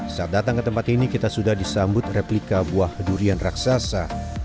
saat datang ke tempat ini kita sudah disambut replika buah durian raksasa